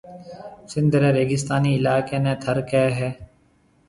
سنڌ رَي ريگستاني علائقيَ نيَ ٿر ڪيَ ھيََََ